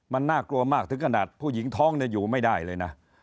มันน่ากลัวมากถึงขนาดผู้หญิงท้องอยู่ไม่ได้เลยนะ